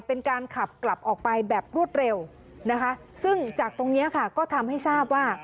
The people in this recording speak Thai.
เป็นการขับกลับออกไปแบบรวดเร็วนะคะซึ่งจากตรงเนี้ยค่ะก็ทำให้ทราบว่า